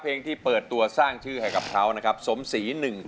เพลงที่เปิดตัวสร้างชื่อให้กับเขาทรคสมศรี๑๒๙๒